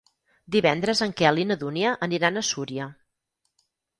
Divendres en Quel i na Dúnia aniran a Súria.